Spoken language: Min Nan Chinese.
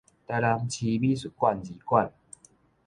臺南市美術館二館